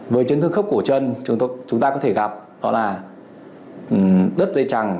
với chấn thương khớp cổ chân chúng ta có thể gặp đó là đất dây chẳng